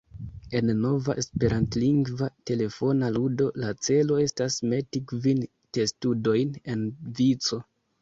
En nova esperantlingva telefona ludo la celo estas meti kvin testudojn en vico.